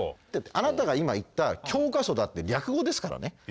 あなたが今言った教科書だって略語ですからね。